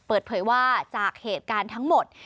เปิดเผยว่าจากเหตุการณ์ทั้งหมด